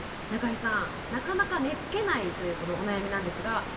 中井さんなかなか寝つけないというこのお悩みなんですが。